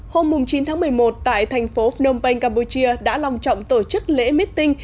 hôm chín tháng một mươi một tại thành phố phnom penh campuchia đã lòng trọng tổ chức lễ meeting